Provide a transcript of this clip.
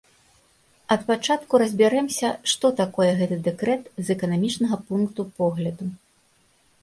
Ад пачатку разбярэмся, што такое гэты дэкрэт з эканамічнага пункту погляду.